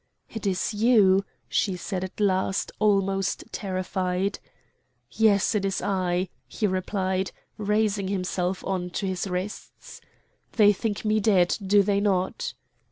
"It is you!" she said at last, almost terrified. "Yes, it is I!" he replied, raising himself on his wrists. "They think me dead, do they not?"